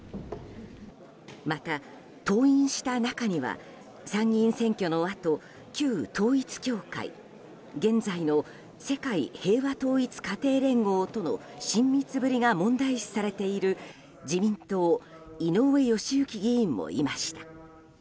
また、登院した中には参議院選挙のあと旧統一教会現在の世界平和統一家庭連合との親密ぶりが問題視されている自民党井上義行議員もいました。